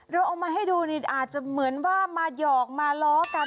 เราเอามาให้ดูนี่อาจจะเหมือนว่ามาหยอกมาล้อกัน